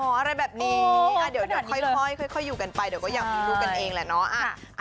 อะไรแบบนี้เดี๋ยวค่อยอยู่กันไปเดี๋ยวก็อยากมีลูกกันเองแหละเนาะ